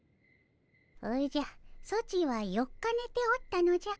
おじゃソチは４日ねておったのじゃ。